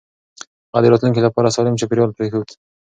هغه د راتلونکي لپاره سالم چاپېريال پرېښود.